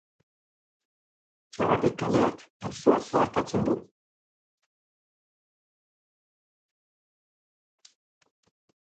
Txabarri kaleak auzoa zeharkatzen du.